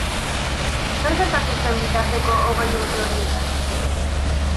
Zer gertatu zen bitarteko hogei urte horietan?